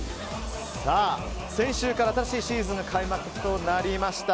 さあ、先週から新しいシーズンが開幕となりました。